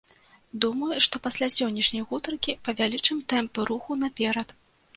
Думаю, што пасля сённяшняй гутаркі павялічым тэмпы руху наперад.